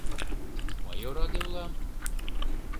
Мый ораде улам?!.